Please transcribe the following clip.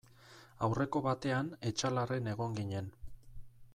Aurreko batean Etxalarren egon ginen.